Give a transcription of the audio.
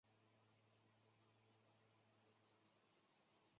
而水笙正默默地在雪谷等着他。